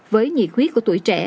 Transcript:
với nhiệt huyết của tuổi trẻ